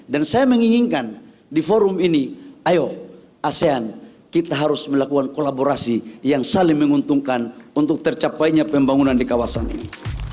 dan saya menginginkan di forum ini ayo asean kita harus melakukan kolaborasi yang saling menguntungkan untuk tercapainya pembangunan di kawasan ini